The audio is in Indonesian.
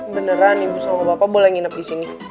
beneran ibu sama bapak boleh nginep disini